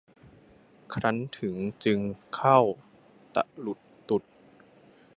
ครั้นถึงจึงเข้าตะหลุดตุด